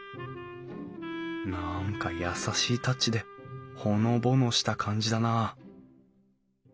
何か優しいタッチでほのぼのした感じだなあ